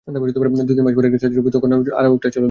দুই মাস পরে একটা সার্জারি হবে তখন আরেকটা চোখও চলে যাবে!